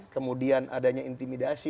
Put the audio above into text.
kemudian adanya intimidasi